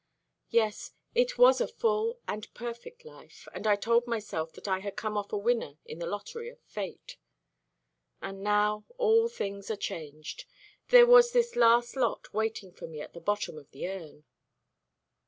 Yes; it was a full and perfect life, and I told myself that I had come off a winner in the lottery of Fate. And now all things are changed. There was this last lot waiting for me at the bottom of the urn."